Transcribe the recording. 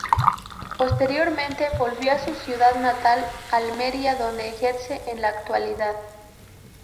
Posteriormente volvió a su ciudad natal, Almería, donde ejerce en la actualidad.